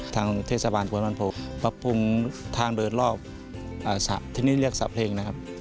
ทางเทศบาลปวนวันโภคปรับปรุงทางเดินรอบที่นี่เรียกสะเพลง